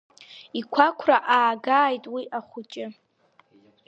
Иқәақәра аагааит уи ахәыҷы!